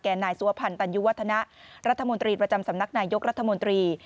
นายสุวพันธัญญุวัฒนะรัฐมนตรีประจำสำนักนายยกรัฐมนตรี